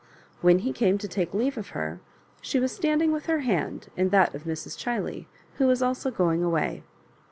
When he came to take leave of her, she was standing with her hand in that of Mrs. Ohiley, who was also going away.